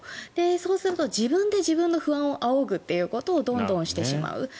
そうすると、自分で自分の不安をあおぐということをどんどんしてしまう。